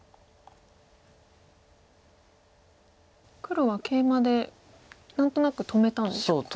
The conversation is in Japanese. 黒はケイマで何となく止めたんでしょうか。